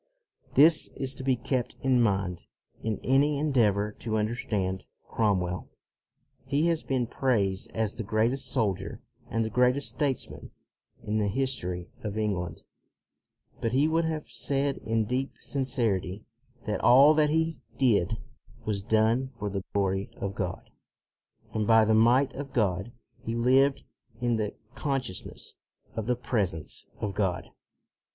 This is to be kept in mind in any en deavor to understand Cromwell. He has 238 CROMWELL been praised as the greatest soldier and the greatest statesman in the history of England, but he would have said in deep sincerity that all that he did was done for the glory of God, and by the might of God. He lived in the consciousness of the presence of God.